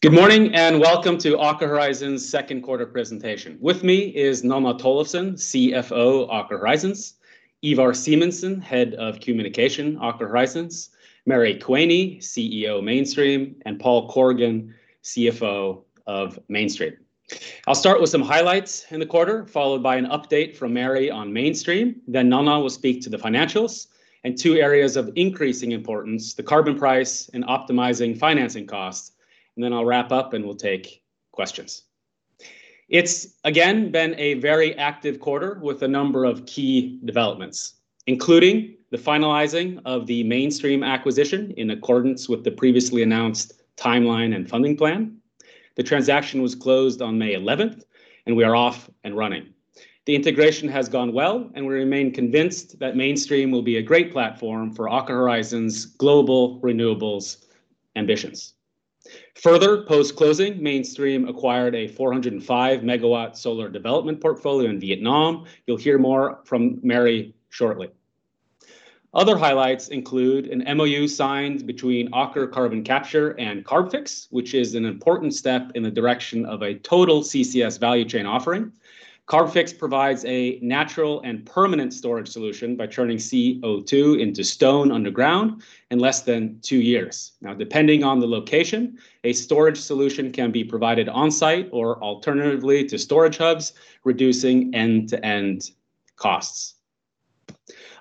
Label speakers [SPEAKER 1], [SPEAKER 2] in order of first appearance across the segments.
[SPEAKER 1] Good morning, welcome to Aker Horizons' second quarter presentation. With me is Nanna Tollefsen, CFO, Aker Horizons, Ivar Simensen, Head of Communication, Aker Horizons, Mary Quaney, CEO, Mainstream, and Paul Corrigan, CFO of Mainstream. I'll start with some highlights in the quarter, followed by an update from Mary on Mainstream. Nanna will speak to the financials and two areas of increasing importance, the carbon price and optimizing financing costs. I'll wrap up, and we'll take questions. It's again been a very active quarter with a number of key developments, including the finalizing of the Mainstream acquisition in accordance with the previously announced timeline and funding plan. The transaction was closed on May 11th, and we are off and running. The integration has gone well, and we remain convinced that Mainstream will be a great platform for Aker Horizons' global renewables ambitions. Post-closing, Mainstream acquired a 405 MW solar development portfolio in Vietnam. You'll hear more from Mary shortly. Other highlights include an MoU signed between Aker Carbon Capture and Carbfix, which is an important step in the direction of a total CCS value chain offering. Carbfix provides a natural and permanent storage solution by turning CO2 into stone underground in less than two years. Depending on the location, a storage solution can be provided on-site or alternatively to storage hubs, reducing end-to-end costs.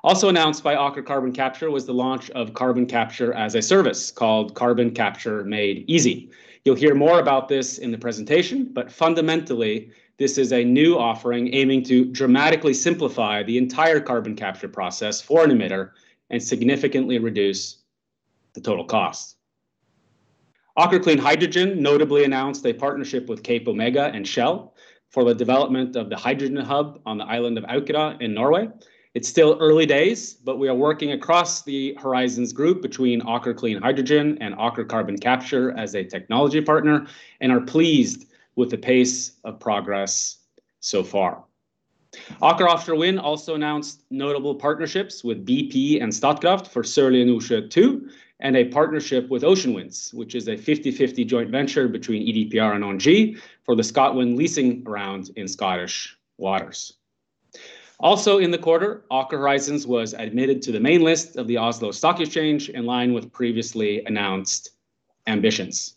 [SPEAKER 1] Announced by Aker Carbon Capture was the launch of carbon capture as a service called Carbon Capture Made Easy. You'll hear more about this in the presentation, but fundamentally, this is a new offering aiming to dramatically simplify the entire carbon capture process for an emitter and significantly reduce the total cost. Aker Clean Hydrogen notably announced a partnership with CapeOmega and Shell for the development of the hydrogen hub on the island of Aukra in Norway. It's still early days, but we are working across the Horizons group between Aker Clean Hydrogen and Aker Carbon Capture as a technology partner and are pleased with the pace of progress so far. Aker Offshore Wind also announced notable partnerships with bp and Statkraft for Sørlige Nordsjø II, and a partnership with Ocean Winds, which is a 50/50 joint venture between EDPR and ENGIE for the ScotWind leasing round in Scottish waters. Also in the quarter, Aker Horizons was admitted to the main list of the Oslo Stock Exchange in line with previously announced ambitions.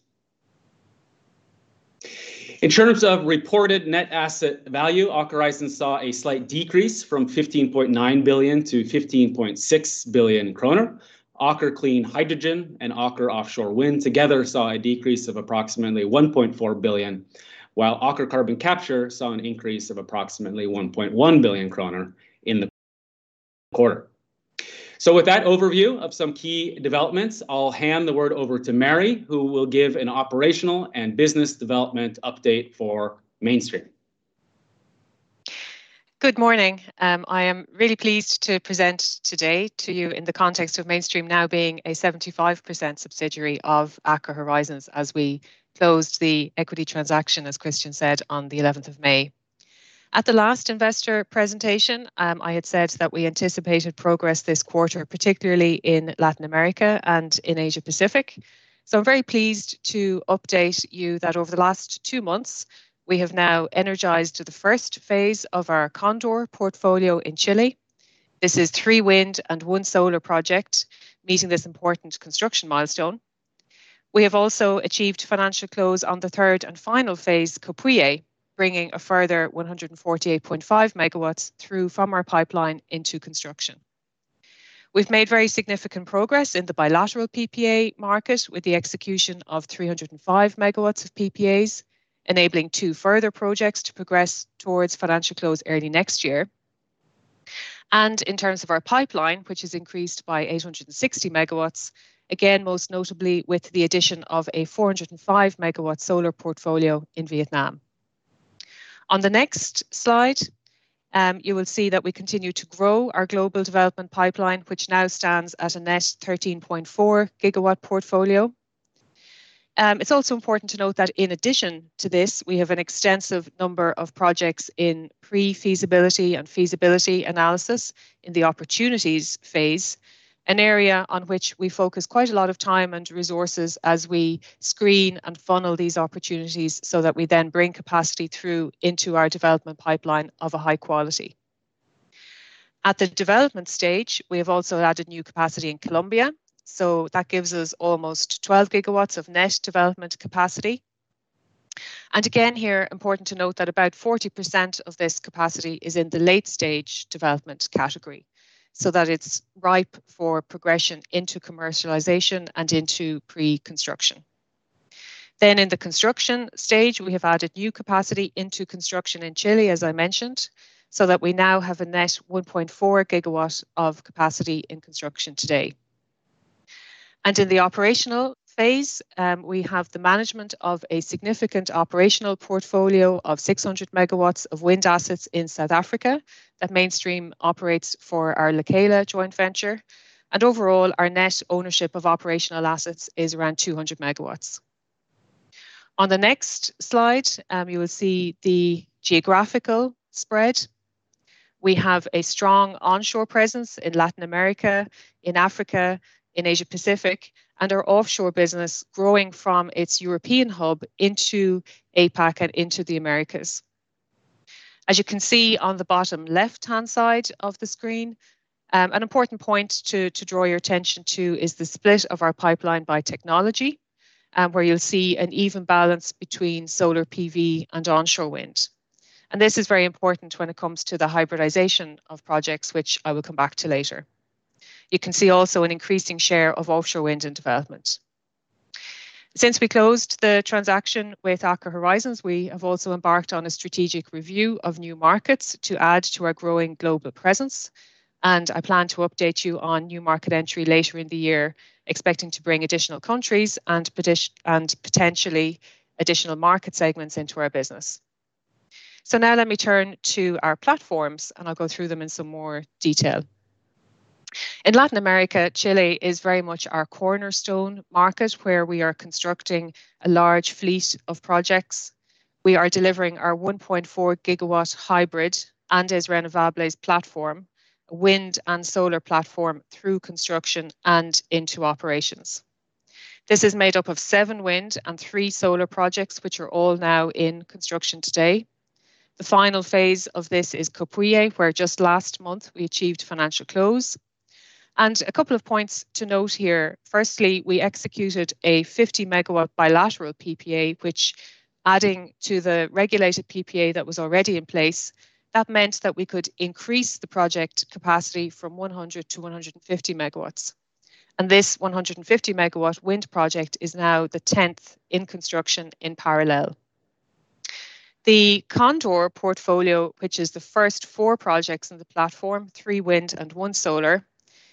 [SPEAKER 1] In terms of reported net asset value, Aker Horizons saw a slight decrease from 15.9 billion-15.6 billion kroner. Aker Clean Hydrogen and Aker Offshore Wind together saw a decrease of approximately 1.4 billion, while Aker Carbon Capture saw an increase of approximately 1.1 billion kroner in the quarter. With that overview of some key developments, I'll hand the word over to Mary, who will give an operational and business development update for Mainstream.
[SPEAKER 2] Good morning. I am really pleased to present today to you in the context of Mainstream now being a 75% subsidiary of Aker Horizons as we close the equity transaction, as Kristian said, on the 11th of May. At the last investor presentation, I had said that we anticipated progress this quarter, particularly in Latin America and in Asia-Pacific. I'm very pleased to update you that over the last two months, we have now energized the first phase of our Condor portfolio in Chile. This is three wind and one solar project meeting this important construction milestone. We have also achieved financial close on the third and final phase, Copihue, bringing a further 148.5 MW through from our pipeline into construction. We've made very significant progress in the bilateral PPA market with the execution of 305 MW of PPAs, enabling two further projects to progress towards financial close early next year. In terms of our pipeline, which has increased by 860 MW, again, most notably with the addition of a 405 MW solar portfolio in Vietnam. On the next slide, you will see that we continue to grow our global development pipeline, which now stands at a net 13.4 GW portfolio. It's also important to note that in addition to this, we have an extensive number of projects in pre-feasibility and feasibility analysis in the opportunities phase, an area on which we focus quite a lot of time and resources as we screen and funnel these opportunities so that we then bring capacity through into our development pipeline of a high quality. At the development stage, we have also added new capacity in Colombia, so that gives us almost 12 GW of net development capacity. Again, here, important to note that about 40% of this capacity is in the late-stage development category, so that it's ripe for progression into commercialization and into pre-construction. In the construction stage, we have added new capacity into construction in Chile, as I mentioned, so that we now have a net 1.4 GW of capacity in construction today. In the operational phase, we have the management of a significant operational portfolio of 600 MW of wind assets in South Africa that Mainstream operates for our Lekela joint venture. Overall, our net ownership of operational assets is around 200 MW. On the next slide, you will see the geographical spread. We have a strong onshore presence in Latin America, in Africa, in Asia-Pacific, and our offshore business growing from its European hub into APAC and into the Americas. As you can see on the bottom left-hand side of the screen, an important point to draw your attention to is the split of our pipeline by technology, where you'll see an even balance between solar PV and onshore wind. This is very important when it comes to the hybridization of projects, which I will come back to later. You can see also an increasing share of offshore wind in development. Since we closed the transaction with Aker Horizons, we have also embarked on a strategic review of new markets to add to our growing global presence. I plan to update you on new market entry later in the year, expecting to bring additional countries and potentially additional market segments into our business. Now let me turn to our platforms. I'll go through them in some more detail. In Latin America, Chile is very much our cornerstone market, where we are constructing a large fleet of projects. We are delivering our 1.4 GW hybrid Andes Renovables platform, a wind and solar platform, through construction and into operations. This is made up of seven wind and three solar projects, which are all now in construction today. The final phase of this is Copihue, where just last month we achieved financial close. A couple of points to note here. Firstly, we executed a 50 MW bilateral PPA, which adding to the regulated PPA that was already in place, that meant that we could increase the project capacity from 100 MW-150 MW. This 150 MW wind project is now the 10th in construction in parallel. The Condor portfolio, which is the first four projects in the platform, three wind and one solar.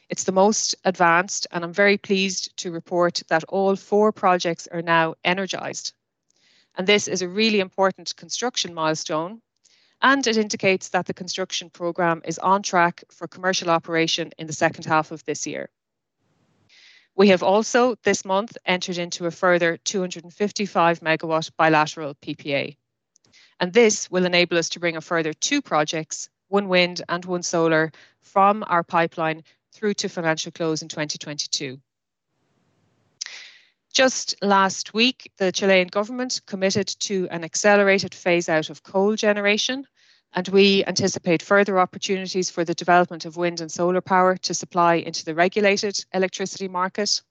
[SPEAKER 2] It is the most advanced, and I am very pleased to report that all four projects are now energized. This is a really important construction milestone, and it indicates that the construction program is on track for commercial operation in the second half of this year. We have also, this month, entered into a further 255 MW bilateral PPA, and this will enable us to bring a further two projects, one wind and one solar, from our pipeline through to financial close in 2022. Just last week, the Chilean government committed to an accelerated phase-out of coal generation, and we anticipate further opportunities for the development of wind and solar power to supply into the regulated electricity market.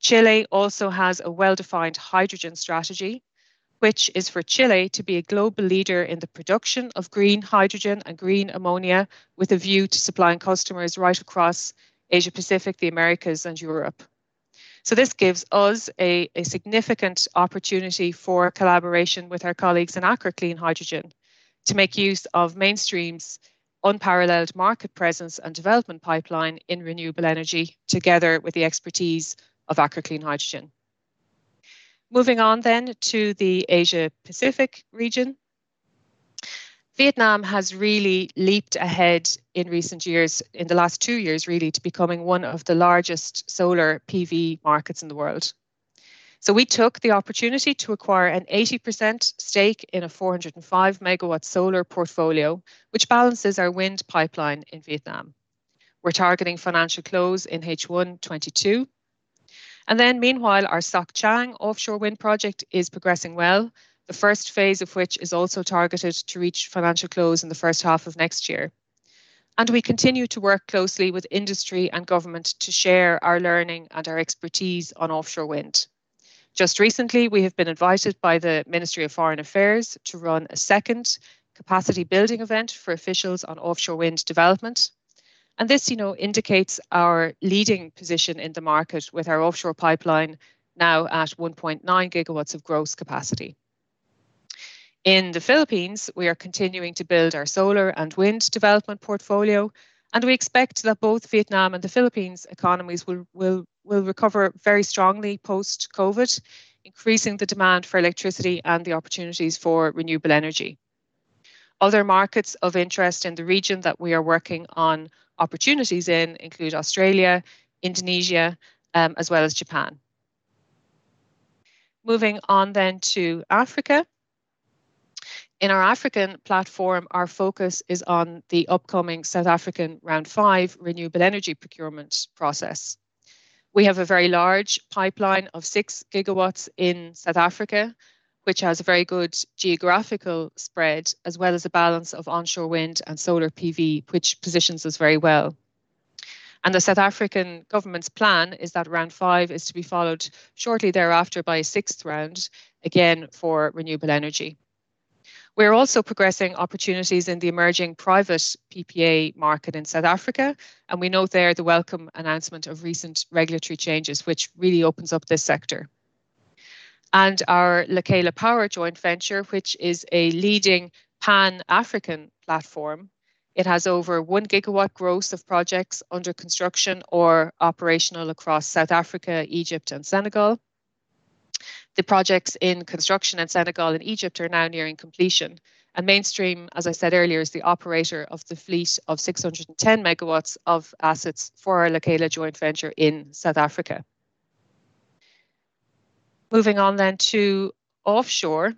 [SPEAKER 2] Chile also has a well-defined hydrogen strategy, which is for Chile to be a global leader in the production of green hydrogen and green ammonia, with a view to supplying customers right across Asia-Pacific, the Americas and Europe. This gives us a significant opportunity for collaboration with our colleagues in Aker Clean Hydrogen to make use of Mainstream's unparalleled market presence and development pipeline in renewable energy, together with the expertise of Aker Clean Hydrogen. Moving on to the Asia-Pacific region. Vietnam has really leaped ahead in recent years, in the last two years, really, to becoming one of the largest solar PV markets in the world. We took the opportunity to acquire an 80% stake in a 405 MW solar portfolio, which balances our wind pipeline in Vietnam. We are targeting financial close in H1 2022. Meanwhile, our Sóc Trăng offshore wind project is progressing well, the first phase of which is also targeted to reach financial close in the first half of next year. We continue to work closely with industry and government to share our learning and our expertise on offshore wind. Just recently, we have been invited by the Ministry of Foreign Affairs to run a second capacity building event for officials on offshore wind development. This indicates our leading position in the market, with our offshore pipeline now at 1.9 GW of gross capacity. In the Philippines, we are continuing to build our solar and wind development portfolio, and we expect that both Vietnam and the Philippines economies will recover very strongly post-COVID, increasing the demand for electricity and the opportunities for renewable energy. Other markets of interest in the region that we are working on opportunities in include Australia, Indonesia, as well as Japan. Moving on to Africa. In our African platform, our focus is on the upcoming South African Round five renewable energy procurement process. We have a very large pipeline of 6 GW in South Africa, which has a very good geographical spread, as well as a balance of onshore wind and solar PV, which positions us very well. The South African government's plan is that Round 5 is to be followed shortly thereafter by a sixth round, again, for renewable energy. We are also progressing opportunities in the emerging private PPA market in South Africa. We note there the welcome announcement of recent regulatory changes, which really opens up this sector. Our Lekela Power joint venture, which is a leading pan-African platform. It has over 1 GW gross of projects under construction or operational across South Africa, Egypt and Senegal. The projects in construction in Senegal and Egypt are now nearing completion. Mainstream, as I said earlier, is the operator of the fleet of 610 MW of assets for our Lekela joint venture in South Africa. Moving on to offshore.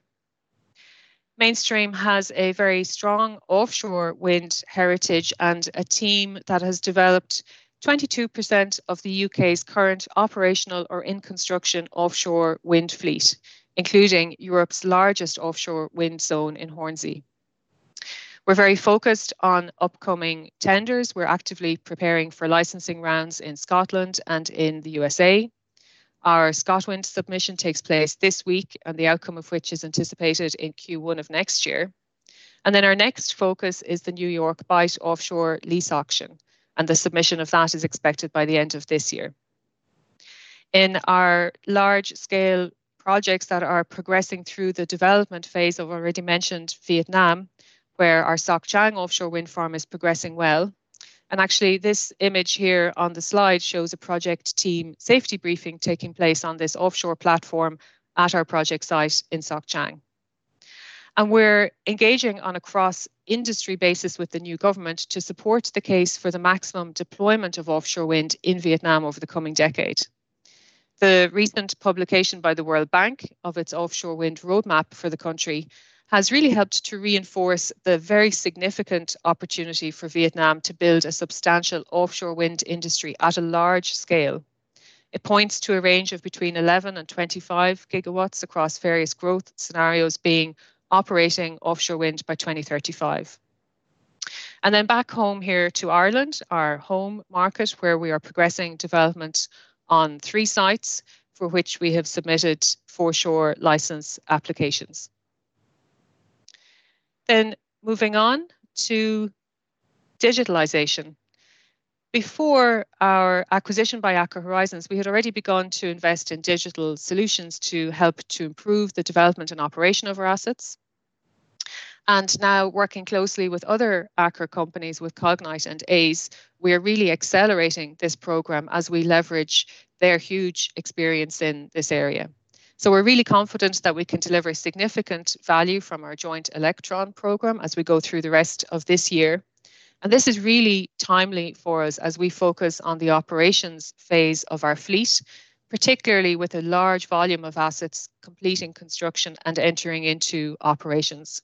[SPEAKER 2] Mainstream has a very strong offshore wind heritage and a team that has developed 22% of the U.K.'s current operational or in-construction offshore wind fleet, including Europe's largest offshore wind zone in Hornsea. We're very focused on upcoming tenders. We're actively preparing for licensing rounds in Scotland and in the U.S.A. Our ScotWind submission takes place this week. The outcome of which is anticipated in Q1 of next year. Our next focus is the New York Bight offshore lease auction. The submission of that is expected by the end of this year. In our large-scale projects that are progressing through the development phase, I've already mentioned Vietnam, where our Sóc Trăng offshore wind farm is progressing well. Actually, this image here on the slide shows a project team safety briefing taking place on this offshore platform at our project site in Sóc Trăng. We're engaging on a cross-industry basis with the new government to support the case for the maximum deployment of offshore wind in Vietnam over the coming decade. The recent publication by the World Bank of its offshore wind roadmap for the country has really helped to reinforce the very significant opportunity for Vietnam to build a substantial offshore wind industry at a large scale. It points to a range of between 11 and 25 GW across various growth scenarios being operating offshore wind by 2035. Back home here to Ireland, our home market, where we are progressing development on three sites for which we have submitted foreshore licence applications. Moving on to digitalization. Before our acquisition by Aker Horizons, we had already begun to invest in digital solutions to help to improve the development and operation of our assets. Working closely with other Aker companies, with Cognite and Aize, we are really accelerating this program as we leverage their huge experience in this area. We're really confident that we can deliver significant value from our joint Electron program as we go through the rest of this year. This is really timely for us as we focus on the operations phase of our fleet, particularly with a large volume of assets completing construction and entering into operations.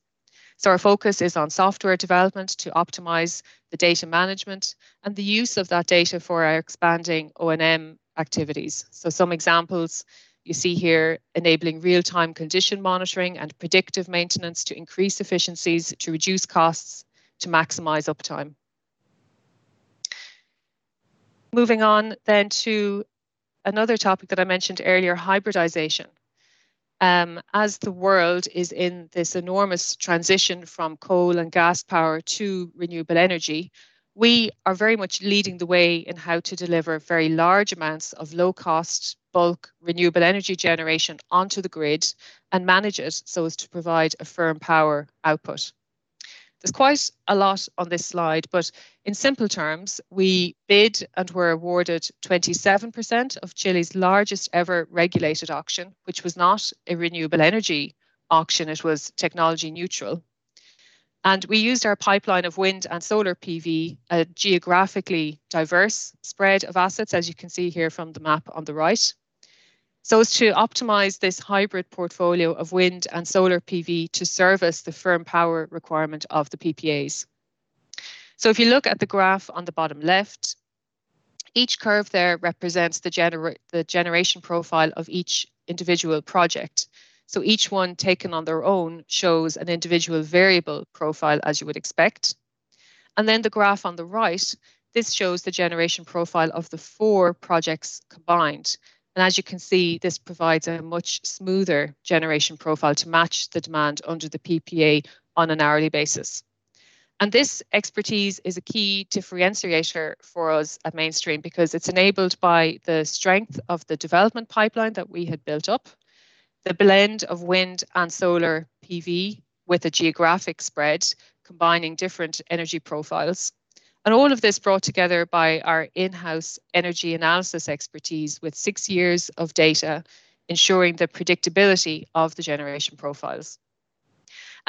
[SPEAKER 2] Our focus is on software development to optimize the data management and the use of that data for our expanding O&M activities. Some examples you see here, enabling real-time condition monitoring and predictive maintenance to increase efficiencies, to reduce costs, to maximize uptime. Moving on then to another topic that I mentioned earlier, hybridization. As the world is in this enormous transition from coal and gas power to renewable energy, we are very much leading the way in how to deliver very large amounts of low-cost, bulk renewable energy generation onto the grid and manage it so as to provide a firm power output. There's quite a lot on this slide, but in simple terms, we bid and were awarded 27% of Chile's largest ever regulated auction, which was not a renewable energy auction, it was technology neutral. We used our pipeline of wind and solar PV, a geographically diverse spread of assets, as you can see here from the map on the right. As to optimize this hybrid portfolio of wind and solar PV to service the firm power requirement of the PPAs. If you look at the graph on the bottom left, each curve there represents the generation profile of each individual project. Each one taken on their own shows an individual variable profile, as you would expect. Then the graph on the right, this shows the generation profile of the four projects combined. As you can see, this provides a much smoother generation profile to match the demand under the PPA on an hourly basis. This expertise is a key differentiator for us at Mainstream because it's enabled by the strength of the development pipeline that we have built up, the blend of wind and solar PV with a geographic spread, combining different energy profiles, and all of this brought together by our in-house energy analysis expertise with six years of data, ensuring the predictability of the generation profiles.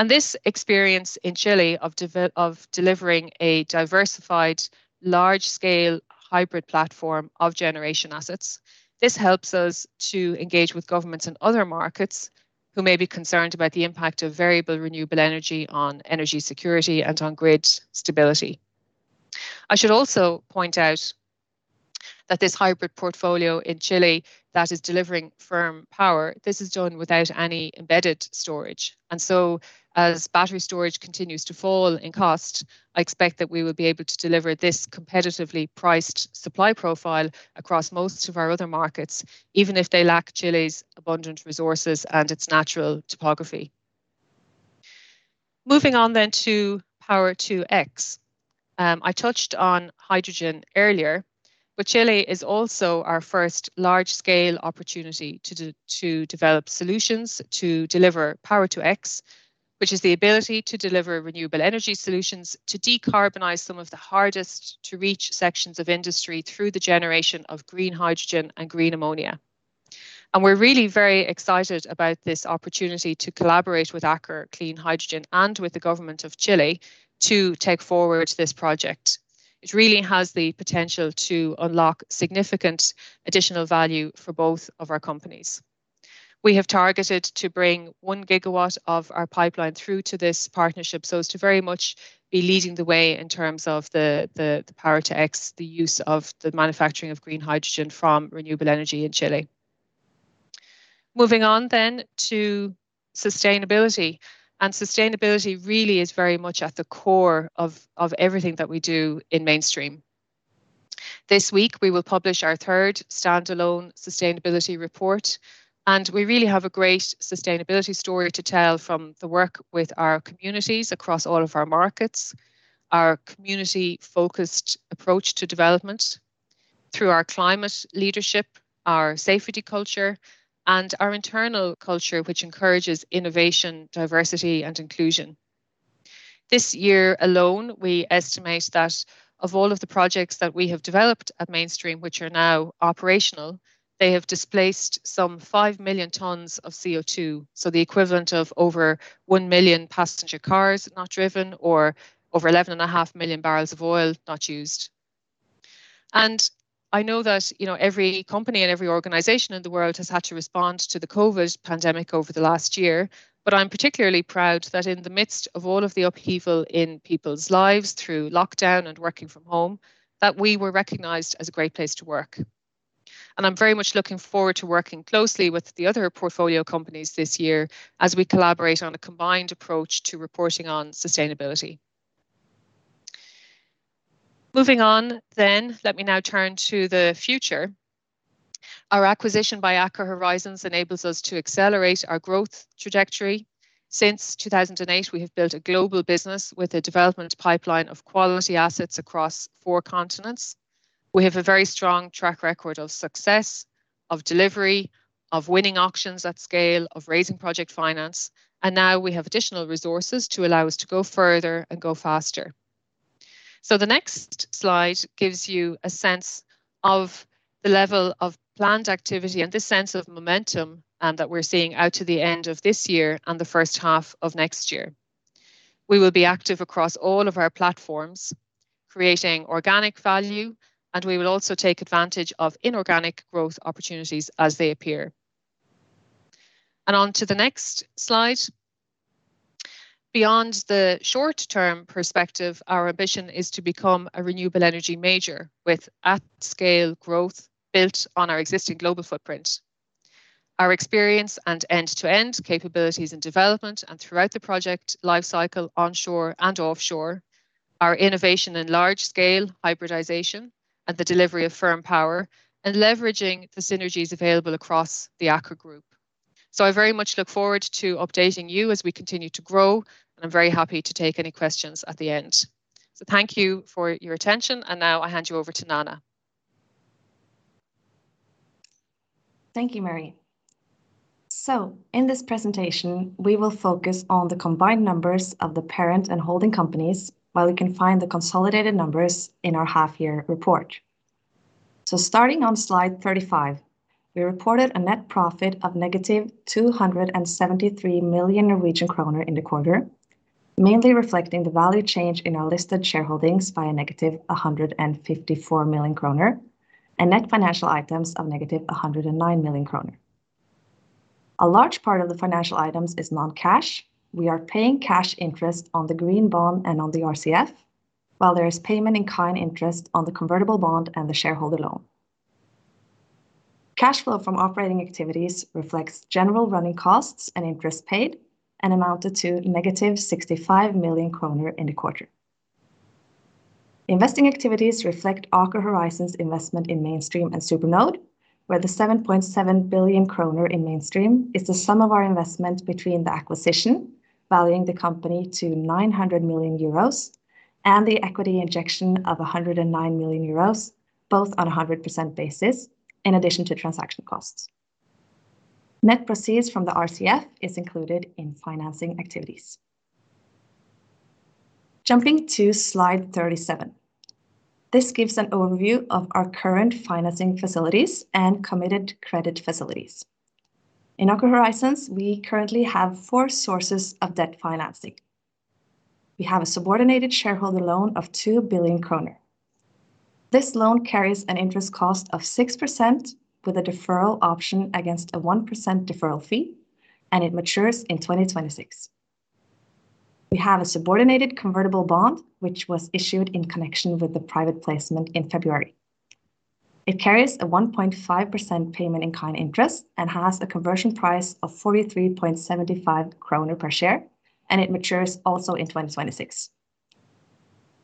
[SPEAKER 2] This experience in Chile of delivering a diversified, large-scale hybrid platform of generation assets, this helps us to engage with governments in other markets who may be concerned about the impact of variable renewable energy on energy security and on grid stability. I should also point out that this hybrid portfolio in Chile that is delivering firm power, this is done without any embedded storage. As battery storage continues to fall in cost, I expect that we will be able to deliver this competitively priced supply profile across most of our other markets, even if they lack Chile's abundant resources and its natural topography. Moving on to Power-to-X. Chile is also our first large-scale opportunity to develop solutions to deliver Power-to-X, which is the ability to deliver renewable energy solutions to decarbonize some of the hardest-to-reach sections of industry through the generation of green hydrogen and green ammonia. We're really very excited about this opportunity to collaborate with Aker Clean Hydrogen and with the government of Chile to take forward this project. It really has the potential to unlock significant additional value for both of our companies. We have targeted to bring 1 GW of our pipeline through to this partnership, so it's to very much be leading the way in terms of the Power-to-X, the use of the manufacturing of green hydrogen from renewable energy in Chile. Moving on to sustainability. Sustainability really is very much at the core of everything that we do in Mainstream. This week, we will publish our third standalone sustainability report. We really have a great sustainability story to tell from the work with our communities across all of our markets, our community-focused approach to development through our climate leadership, our safety culture, and our internal culture, which encourages innovation, diversity, and inclusion. This year alone, we estimate that of all of the projects that we have developed at Mainstream, which are now operational, they have displaced some five million tons of CO2, so the equivalent of over one million passenger cars not driven or over 11.5 million barrels of oil not used. I know that every company and every organization in the world has had to respond to the COVID pandemic over the last year, but I'm particularly proud that in the midst of all of the upheaval in people's lives through lockdown and working from home, that we were recognized as a great place to work. I'm very much looking forward to working closely with the other portfolio companies this year as we collaborate on a combined approach to reporting on sustainability. Moving on, let me now turn to the future. Our acquisition by Aker Horizons enables us to accelerate our growth trajectory. Since 2008, we have built a global business with a development pipeline of quality assets across four continents. We have a very strong track record of success, of delivery, of winning auctions at scale, of raising project finance, and now we have additional resources to allow us to go further and go faster. The next slide gives you a sense of the level of planned activity and the sense of momentum that we're seeing out to the end of this year and the first half of next year. We will be active across all of our platforms, creating organic value, and we will also take advantage of inorganic growth opportunities as they appear. On to the next slide. Beyond the short-term perspective, our ambition is to become a renewable energy major with at-scale growth built on our existing global footprint. Our experience and end-to-end capabilities in development and throughout the project lifecycle, onshore and offshore, our innovation in large-scale hybridization and the delivery of firm power, and leveraging the synergies available across the Aker Group. I very much look forward to updating you as we continue to grow, and I'm very happy to take any questions at the end. Thank you for your attention, and now I hand you over to Nanna.
[SPEAKER 3] Thank you, Mary. In this presentation, we will focus on the combined numbers of the parent and holding companies, while we can find the consolidated numbers in our half-year report. Starting on slide 35, we reported a net profit of -273 million Norwegian kroner in the quarter, mainly reflecting the value change in our listed shareholdings by a -154 million kroner and net financial items of -109 million kroner. A large part of the financial items is non-cash. We are paying cash interest on the green bond and on the RCF, while there is payment in kind interest on the convertible bond and the shareholder loan. Cash flow from operating activities reflects general running costs and interest paid and amounted to -65 million kroner in the quarter. Investing activities reflect Aker Horizons' investment in Mainstream and SuperNode, where the 7.7 billion kroner in Mainstream is the sum of our investment between the acquisition, valuing the company to 900 million euros, and the equity injection of 109 million euros, both on a 100% basis, in addition to transaction costs. Net proceeds from the RCF is included in financing activities. Jumping to slide 37. This gives an overview of our current financing facilities and committed credit facilities. In Aker Horizons, we currently have four sources of debt financing. We have a subordinated shareholder loan of 2 billion kroner. This loan carries an interest cost of 6% with a deferral option against a 1% deferral fee, and it matures in 2026. We have a subordinated convertible bond, which was issued in connection with the private placement in February. It carries a 1.5% payment in kind interest and has a conversion price of 43.75 kroner per share. It matures also in 2026.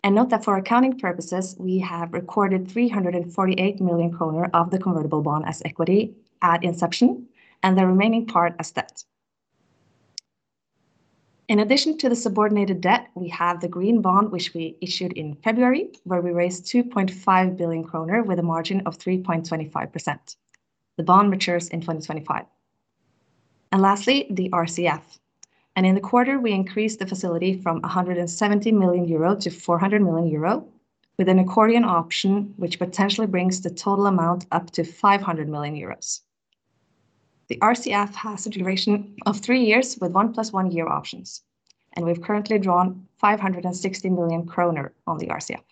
[SPEAKER 3] Note that for accounting purposes, we have recorded 348 million kroner of the convertible bond as equity at inception, and the remaining part as debt. In addition to the subordinated debt, we have the green bond, which we issued in February, where we raised 2.5 billion kroner with a margin of 3.25%. The bond matures in 2025. Lastly, the RCF. In the quarter, we increased the facility from 170 million euro to 400 million euro with an accordion option, which potentially brings the total amount up to 500 million euros. The RCF has a duration of three years with one-plus-one year options, and we've currently drawn 560 million kroner on the RCF.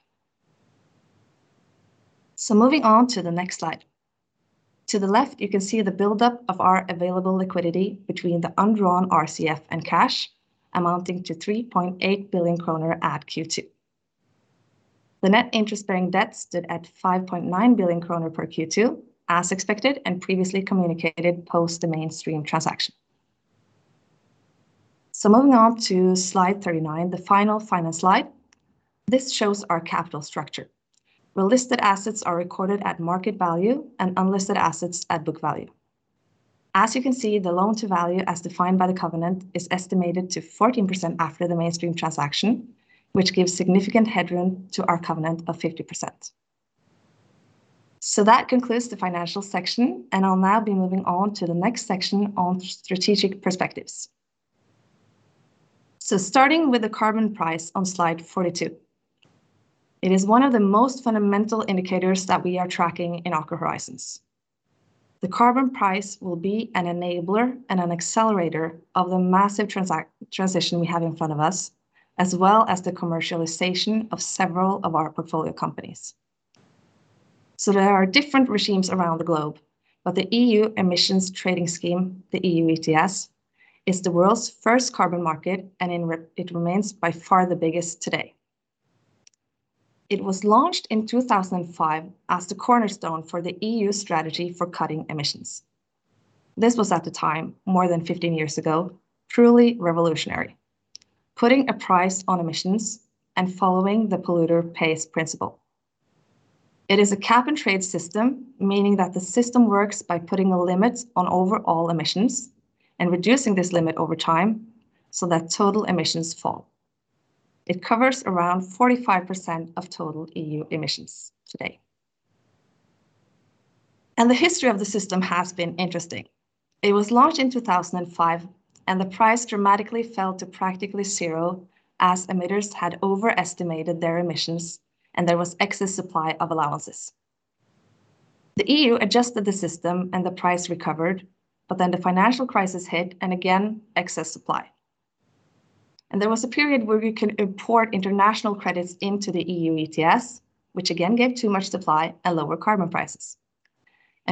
[SPEAKER 3] Moving on to the next slide. To the left, you can see the buildup of our available liquidity between the undrawn RCF and cash amounting to 3.8 billion kroner at Q2. The net interest-bearing debt stood at 5.9 billion kroner per Q2, as expected and previously communicated post the Mainstream transaction. Moving on to slide 39, the final slide. This shows our capital structure, where listed assets are recorded at market value and unlisted assets at book value. As you can see, the loan to value as defined by the covenant is estimated to 14% after the Mainstream transaction, which gives significant headroom to our covenant of 50%. That concludes the financial section, and I'll now be moving on to the next section on strategic perspectives. Starting with the carbon price on slide 42. It is one of the most fundamental indicators that we are tracking in Aker Horizons. The carbon price will be an enabler and an accelerator of the massive transition we have in front of us, as well as the commercialization of several of our portfolio companies. There are different regimes around the globe, but the EU Emissions Trading System, the EU ETS, is the world's first carbon market, and it remains by far the biggest today. It was launched in 2005 as the cornerstone for the EU strategy for cutting emissions. This was at the time, more than 15 years ago, truly revolutionary, putting a price on emissions and following the polluter pays principle. It is a cap and trade system, meaning that the system works by putting a limit on overall emissions and reducing this limit over time so that total emissions fall. It covers around 45% of total EU emissions today. The history of the system has been interesting. It was launched in 2005, and the price dramatically fell to practically zero as emitters had overestimated their emissions, and there was excess supply of allowances. The EU adjusted the system, and the price recovered, but then the financial crisis hit, and again, excess supply. There was a period where you could import international credits into the EU ETS, which again gave too much supply and lower carbon prices.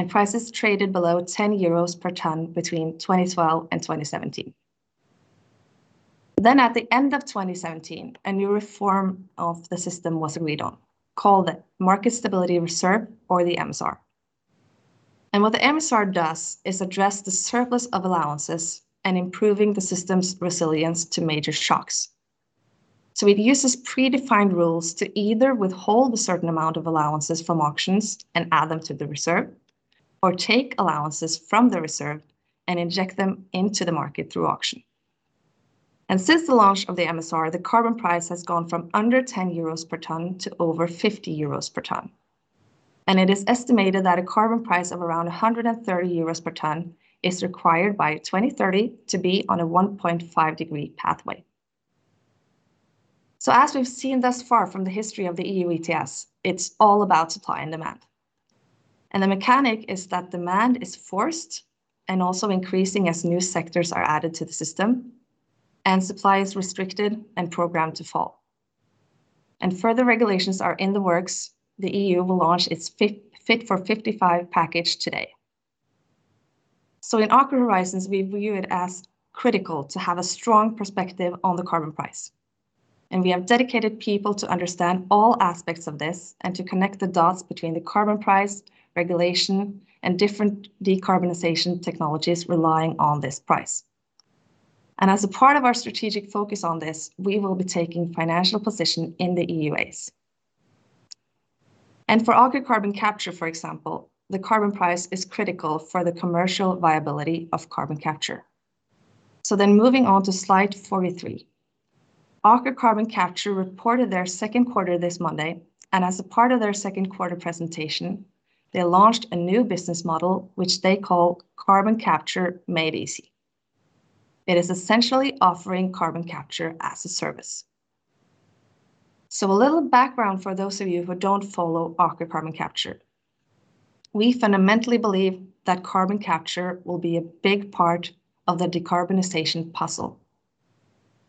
[SPEAKER 3] Prices traded below 10 euros per ton between 2012 and 2017. At the end of 2017, a new reform of the system was agreed on, called the Market Stability Reserve, or the MSR. What the MSR does is address the surplus of allowances and improving the system's resilience to major shocks. It uses predefined rules to either withhold a certain amount of allowances from auctions and add them to the reserve, or take allowances from the reserve and inject them into the market through auction. Since the launch of the MSR, the carbon price has gone from under 10 euros per ton to over 50 euros per ton. It is estimated that a carbon price of around 130 euros per ton is required by 2030 to be on a 1.5-degree pathway. As we've seen thus far from the history of the EU ETS, it's all about supply and demand. The mechanic is that demand is forced and also increasing as new sectors are added to the system, and supply is restricted and programmed to fall. Further regulations are in the works. The EU will launch its "Fit for 55" package today. In Aker Horizons, we view it as critical to have a strong perspective on the carbon price. We have dedicated people to understand all aspects of this and to connect the dots between the carbon price, regulation, and different decarbonization technologies relying on this price. As a part of our strategic focus on this, we will be taking financial position in the EUAs. For Aker Carbon Capture, for example, the carbon price is critical for the commercial viability of carbon capture. Moving on to slide 43. Aker Carbon Capture reported their second quarter this Monday, and as a part of their second quarter presentation, they launched a new business model, which they called Carbon Capture Made Easy. It is essentially offering carbon capture as a service. A little background for those of you who don't follow Aker Carbon Capture. We fundamentally believe that carbon capture will be a big part of the decarbonization puzzle.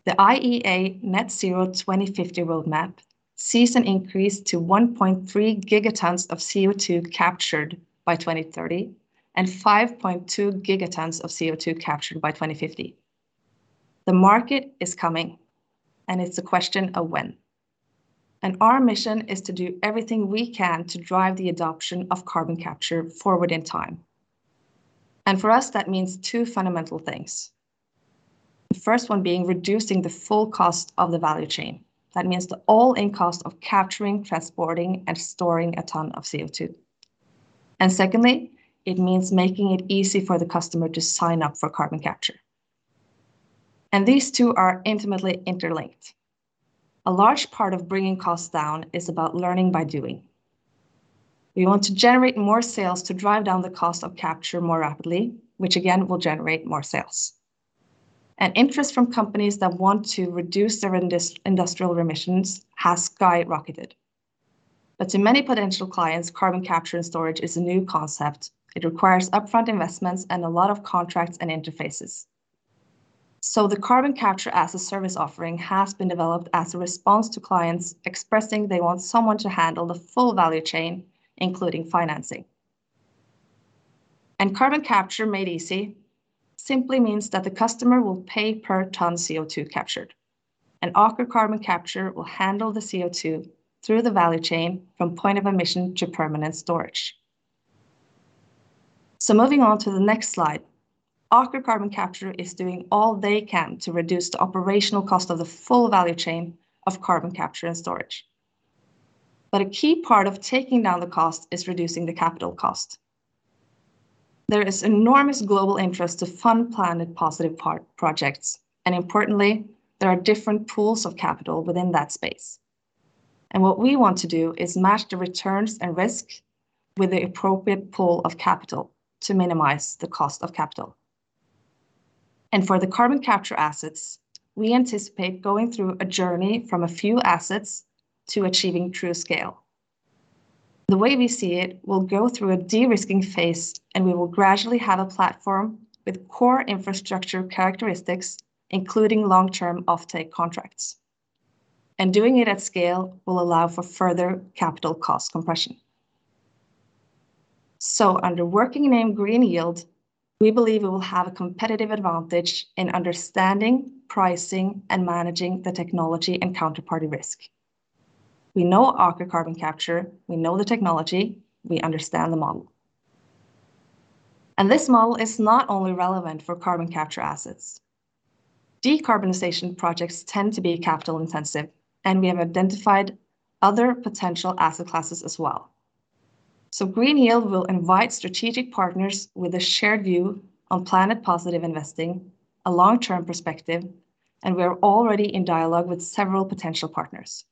[SPEAKER 3] The IEA Net Zero by 2050 roadmap sees an increase to 1.3 Gt of CO2 captured by 2030 and 5.2 Gt of CO2 captured by 2050. The market is coming, and it's a question of when. Our mission is to do everything we can to drive the adoption of carbon capture forward in time. For us, that means two fundamental things. The first one being reducing the full cost of the value chain. That means the all-in cost of capturing, transporting, and storing a ton of CO2. Secondly, it means making it easy for the customer to sign up for carbon capture. These two are intimately interlinked. A large part of bringing costs down is about learning by doing. We want to generate more sales to drive down the cost of capture more rapidly, which again, will generate more sales. Interest from companies that want to reduce their industrial emissions has skyrocketed. To many potential clients, carbon capture and storage is a new concept. It requires upfront investments and a lot of contracts and interfaces. The Carbon Capture as a Service offering has been developed as a response to clients expressing they want someone to handle the full value chain, including financing. Carbon Capture Made Easy simply means that the customer will pay per ton of CO2 captured, and Aker Carbon Capture will handle the CO2 through the value chain from point of emission to permanent storage. Moving on to the next slide. Aker Carbon Capture is doing all they can to reduce the operational cost of the full value chain of carbon capture and storage. A key part of taking down the cost is reducing the capital cost. There is enormous global interest to fund planet positive projects, and importantly, there are different pools of capital within that space. What we want to do is match the returns and risk with the appropriate pool of capital to minimize the cost of capital. For the carbon capture assets, we anticipate going through a journey from a few assets to achieving true scale. The way we see it, we'll go through a de-risking phase, and we will gradually have a platform with core infrastructure characteristics, including long-term offtake contracts. Doing it at scale will allow for further capital cost compression. Under working name Green Yield, we believe we will have a competitive advantage in understanding, pricing, and managing the technology and counterparty risk. We know Aker Carbon Capture, we know the technology, we understand the model. This model is not only relevant for carbon capture assets. Decarbonization projects tend to be capital-intensive, and we have identified other potential asset classes as well. Green Yield will invite strategic partners with a shared view on planet positive investing, a long-term perspective, and we are already in dialogue with several potential partners.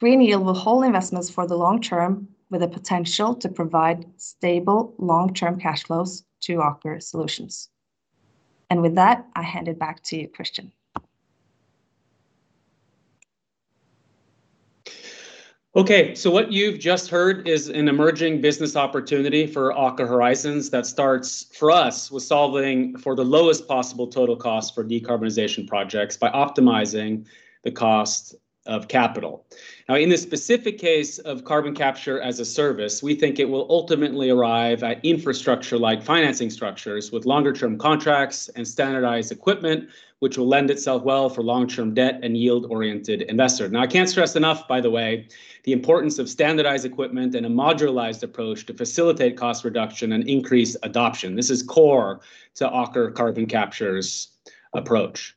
[SPEAKER 3] Green Yield will hold investments for the long term with the potential to provide stable long-term cash flows to Aker Solutions. With that, I hand it back to you, Kristian.
[SPEAKER 1] What you've just heard is an emerging business opportunity for Aker Horizons that starts for us with solving for the lowest possible total cost for decarbonization projects by optimizing the cost of capital. In the specific case of carbon capture as a service, we think it will ultimately arrive at infrastructure-like financing structures with longer-term contracts and standardized equipment, which will lend itself well for long-term debt and yield-oriented investors. I can't stress enough, by the way, the importance of standardized equipment and a modularized approach to facilitate cost reduction and increase adoption. This is core to Aker Carbon Capture's approach.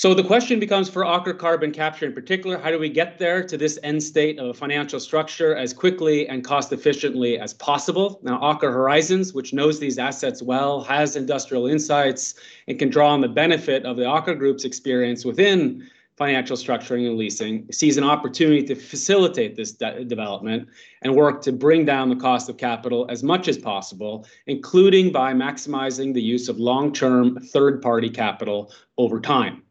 [SPEAKER 1] The question becomes for Aker Carbon Capture in particular, how do we get there to this end state of financial structure as quickly and cost efficiently as possible? Aker Horizons, which knows these assets well, has industrial insights, and can draw on the benefit of the Aker Group's experience within financial structuring and leasing, sees an opportunity to facilitate this development and work to bring down the cost of capital as much as possible, including by maximizing the use of long-term third-party capital over time.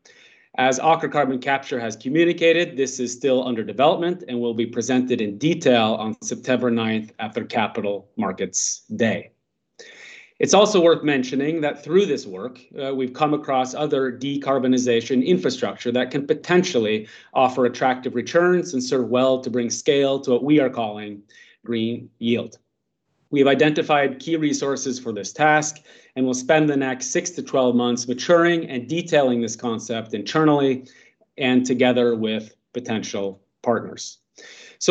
[SPEAKER 1] As Aker Carbon Capture has communicated, this is still under development and will be presented in detail on September 9th at their Capital Markets Day. It's also worth mentioning that through this work, we've come across other decarbonization infrastructure that can potentially offer attractive returns and serve well to bring scale to what we are calling Green Yield. We've identified key resources for this task, and we'll spend the next six to 12 months maturing and detailing this concept internally and together with potential partners.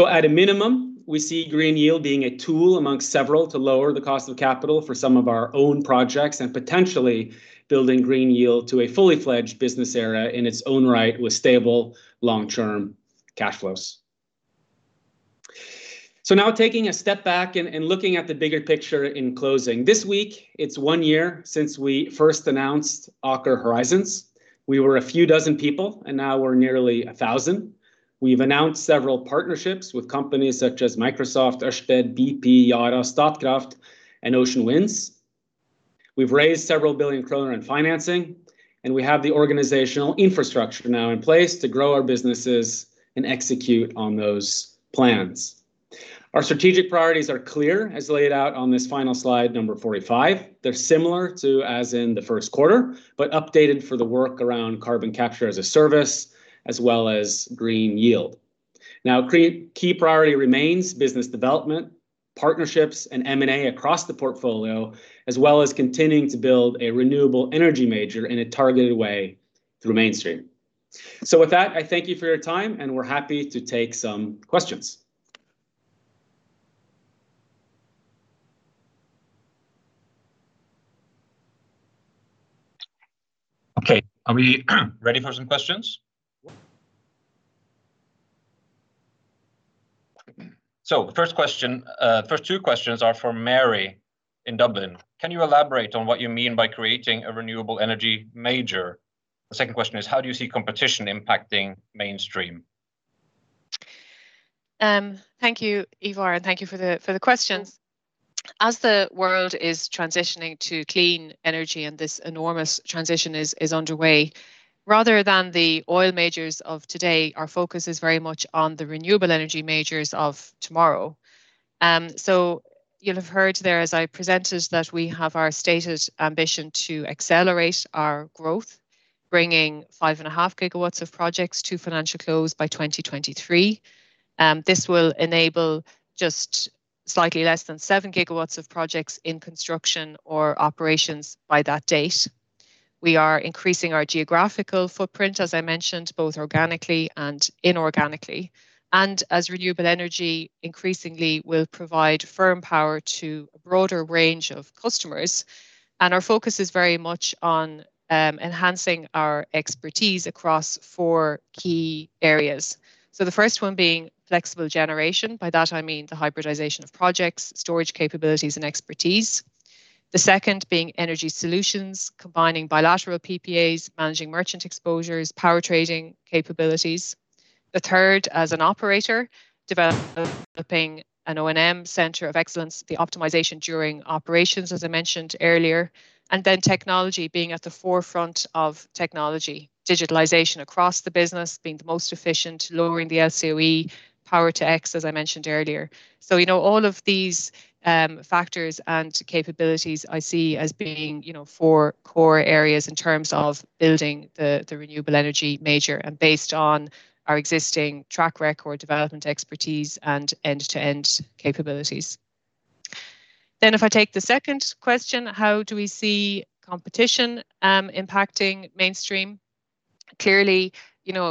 [SPEAKER 1] At a minimum, we see Green Yield being a tool amongst several to lower the cost of capital for some of our own projects and potentially building Green Yield to a fully fledged business area in its own right with stable long-term cash flows. Now taking a step back and looking at the bigger picture in closing. This week, it's one year since we first announced Aker Horizons. We were a few dozen people, and now we're nearly 1,000. We've announced several partnerships with companies such as Microsoft, Ørsted, bp, Statkraft, and Ocean Winds. We've raised several billion kroner in financing, and we have the organizational infrastructure now in place to grow our businesses and execute on those plans. Our strategic priorities are clear, as laid out on this final slide number 45. They're similar to as in the first quarter, but updated for the work around carbon capture as a service, as well as Green Yield. Key priority remains business development, partnerships, and M&A across the portfolio, as well as continuing to build a renewable energy major in a targeted way through Mainstream. With that, I thank you for your time, and we're happy to take some questions.
[SPEAKER 4] Okay. Are we ready for some questions? First two questions are from Mary in Dublin. Can you elaborate on what you mean by creating a renewable energy major? The second question is, how do you see competition impacting Mainstream?
[SPEAKER 2] Thank you, Ivar, and thank you for the questions. As the world is transitioning to clean energy and this enormous transition is underway, rather than the oil majors of today, our focus is very much on the renewable energy majors of tomorrow. You'll have heard there as I presented that we have our stated ambition to accelerate our growth, bringing 5.5 GW of projects to financial close by 2023. This will enable just slightly less than 7 GW of projects in construction or operations by that date. We are increasing our geographical footprint, as I mentioned, both organically and inorganically. As renewable energy increasingly will provide firm power to a broader range of customers, our focus is very much on enhancing our expertise across four key areas, the first one being flexible generation. By that I mean the hybridization of projects, storage capabilities, and expertise. The second being energy solutions, combining bilateral PPAs, managing merchant exposures, power trading capabilities. The third, as an operator, developing an O&M center of excellence, the optimization during operations, as I mentioned earlier. Technology, being at the forefront of technology, digitalization across the business, being the most efficient, lowering the LCOE, Power-to-X, as I mentioned earlier. All of these factors and capabilities I see as being four core areas in terms of building the renewable energy major, and based on our existing track record, development expertise, and end-to-end capabilities. If I take the second question, how do we see competition impacting Mainstream? Clearly,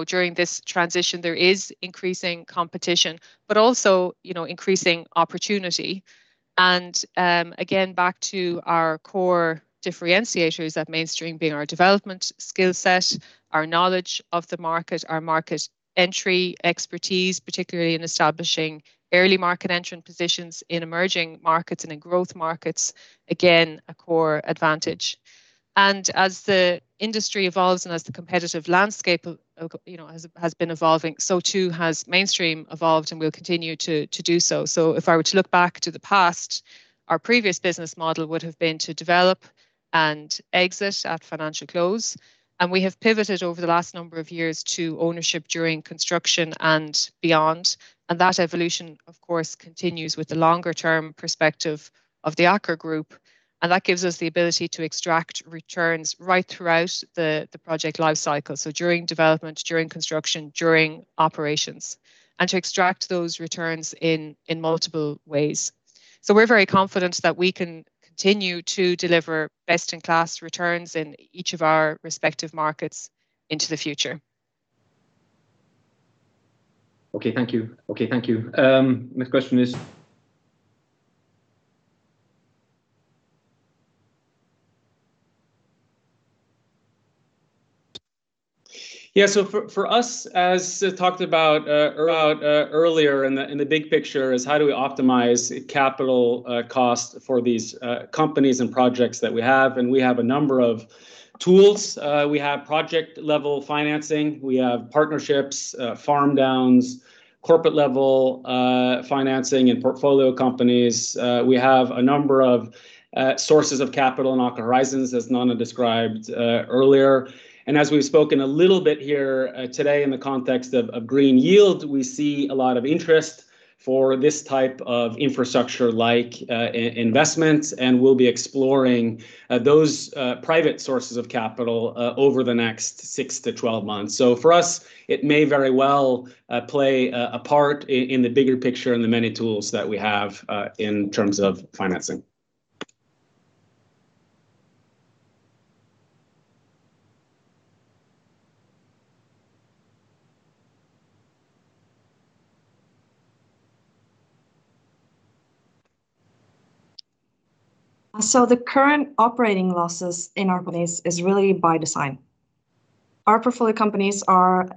[SPEAKER 2] during this transition, there is increasing competition, but also increasing opportunity. Again, back to our core differentiators at Mainstream being our development skill set, our knowledge of the market, our market entry expertise, particularly in establishing early market entry positions in emerging markets and in growth markets, again, a core advantage. As the industry evolves and as the competitive landscape has been evolving, so too has Mainstream evolved and will continue to do so. If I were to look back to the past, our previous business model would have been to develop and exit at financial close. We have pivoted over the last number of years to ownership during construction and beyond. That evolution, of course, continues with the longer-term perspective of the Aker Group, and that gives us the ability to extract returns right throughout the project life cycle. During development, during construction, during operations, and to extract those returns in multiple ways. We're very confident that we can continue to deliver best-in-class returns in each of our respective markets into the future.
[SPEAKER 4] Okay. Thank you. Next question.
[SPEAKER 1] Yeah. For us, as talked about earlier in the big picture, is how do we optimize capital cost for these companies and projects that we have? We have a number of tools. We have project-level financing. We have partnerships, farm downs, corporate-level financing and portfolio companies. We have a number of sources of capital in Aker Horizons, as Nanna described earlier. As we've spoken a little bit here today in the context of Green Yield, we see a lot of interest for this type of infrastructure-like investments, and we'll be exploring those private sources of capital over the next six to 12 months. For us, it may very well play a part in the bigger picture in the many tools that we have in terms of financing.
[SPEAKER 3] The current operating losses in our business is really by design. Our portfolio companies are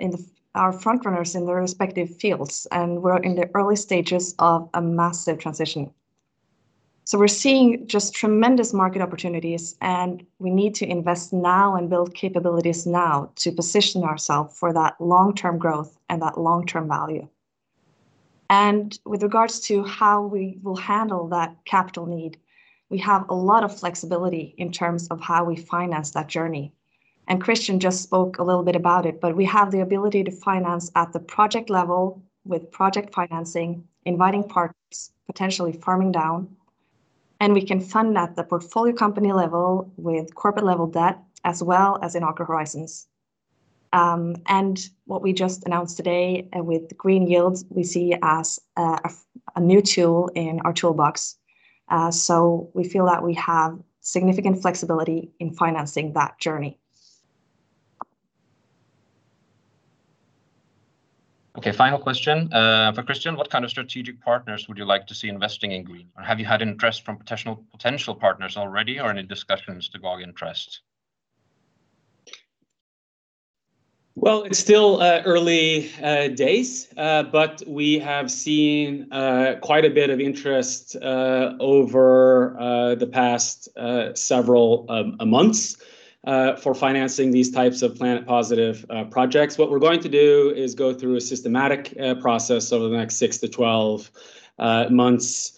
[SPEAKER 3] frontrunners in their respective fields, and we're in the early stages of a massive transition. We're seeing just tremendous market opportunities, and we need to invest now and build capabilities now to position ourself for that long-term growth and that long-term value. With regards to how we will handle that capital need, we have a lot of flexibility in terms of how we finance that journey. Kristian just spoke a little bit about it, but we have the ability to finance at the project level with project financing, inviting partners, potentially farming down, and we can fund at the portfolio company level with corporate-level debt as well as in Aker Horizons. What we just announced today with Green Yield, we see as a new tool in our toolbox. We feel that we have significant flexibility in financing that journey.
[SPEAKER 4] Okay. Final question. For Kristian, what kind of strategic partners would you like to see investing in green? Have you had interest from potential partners already or any discussions to gauge interest?
[SPEAKER 1] Well, it's still early days, but we have seen quite a bit of interest over the past several months for financing these types of planet positive projects. What we're going to do is go through a systematic process over the next six to 12 months,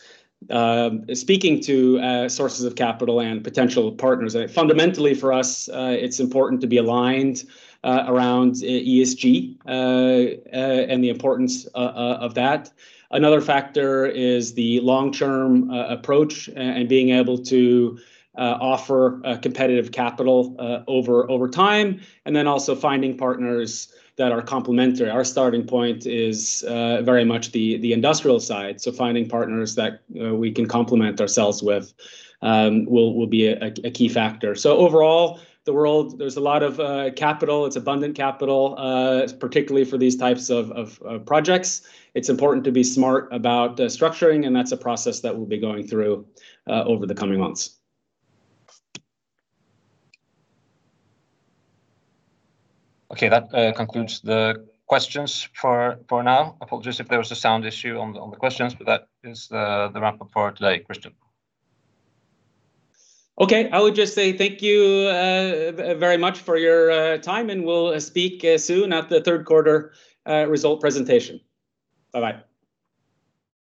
[SPEAKER 1] speaking to sources of capital and potential partners. Fundamentally, for us, it's important to be aligned around ESG, and the importance of that. Another factor is the long-term approach and being able to offer competitive capital over time, and then also finding partners that are complementary. Our starting point is very much the industrial side. Finding partners that we can complement ourselves with will be a key factor. Overall, the world, there's a lot of capital. It's abundant capital, particularly for these types of projects. It's important to be smart about structuring, and that's a process that we'll be going through over the coming months.
[SPEAKER 4] Okay. That concludes the questions for now. Apologies if there was a sound issue on the questions, but that is the wrap-up for today, Kristian.
[SPEAKER 1] I would just say thank you very much for your time. We'll speak soon at the third quarter result presentation. Bye-bye.